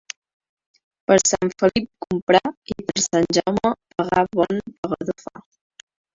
Per Sant Felip comprar i per Sant Jaume pagar bon pagador fa.